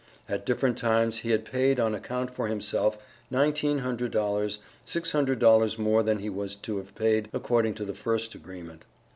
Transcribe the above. At different times he had paid on account for himself nineteen hundred dollars, six hundred dollars more than he was to have paid according to the first agreement.